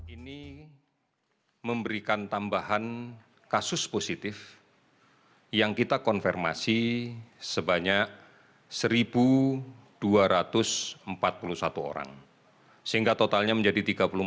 ini memberikan tambahan kasus positif yang kita konfirmasi sebanyak satu dua ratus empat puluh satu orang sehingga totalnya menjadi tiga puluh empat